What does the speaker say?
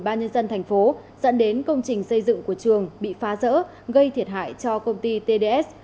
và đúng chỉ đạo của ubnd tp dẫn đến công trình xây dựng của trường bị phá rỡ gây thiệt hại cho công ty tds